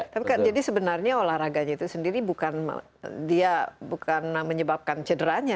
tapi jadi sebenarnya olahraganya itu sendiri bukan dia bukan menyebabkan cederanya